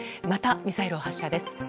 またミサイルを発射です。